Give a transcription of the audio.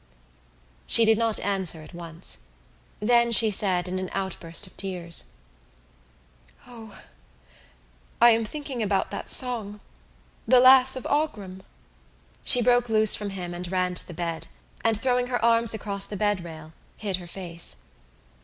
She did not answer at once. Then she said in an outburst of tears: "O, I am thinking about that song, The Lass of Aughrim." She broke loose from him and ran to the bed and, throwing her arms across the bed rail, hid her face.